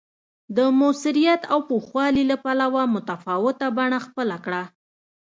د موثریت او پوخوالي له پلوه متفاوته بڼه خپله کړه